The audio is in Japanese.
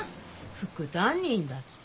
副担任だって。